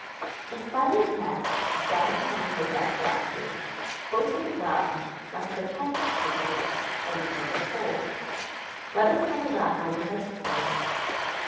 The Spider's nest, down among the dead grasses, close to the ground, must protect its contents from the winter cold. Let us cut the wrapper with our scissors.